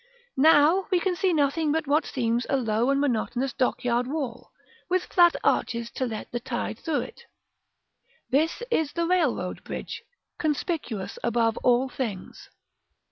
Now we can see nothing but what seems a low and monotonous dock yard wall, with flat arches to let the tide through it; this is the railroad bridge, conspicuous above all things.